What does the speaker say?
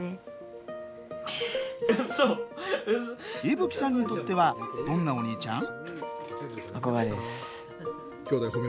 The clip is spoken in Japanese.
維吹さんにとってはどんな、お兄ちゃん？